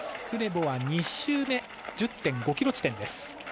クレボは２周目１０．５ｋｍ地点。